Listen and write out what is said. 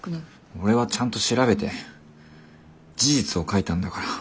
俺はちゃんと調べて事実を書いたんだから。